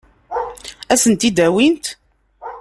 Ad sen-t-id-awint?